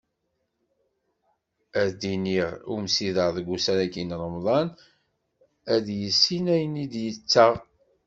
Ad d-iniɣ i umsider deg ussan-agi n Remḍan, ad yissin ayen i d-yettaɣ.